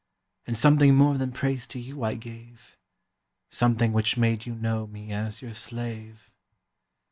And something more than praise to you I gave— Something which made you know me as your slave.